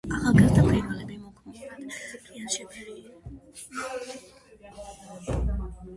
ახალგაზრდა ფრინველები მუქ მურად არიან შეფერილი, ნისკარტი მუქი რუხია.